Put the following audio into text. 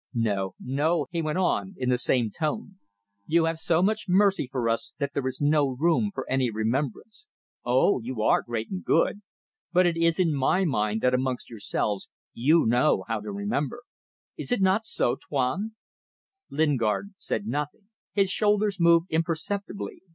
No! No!" he went on, in the same tone, "you have so much mercy for us, that there is no room for any remembrance. Oh, you are great and good! But it is in my mind that amongst yourselves you know how to remember. Is it not so, Tuan?" Lingard said nothing. His shoulders moved imperceptibly.